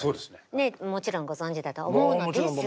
もちろんご存じだとは思うのですが。